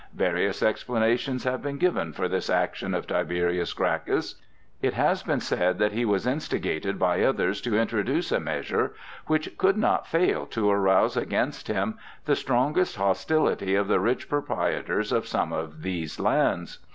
Various explanations have been given for this action of Tiberius Gracchus. It has been said that he was instigated by others to introduce a measure which could not fail to arouse against him the strongest hostility of the rich proprietors of some of these lands.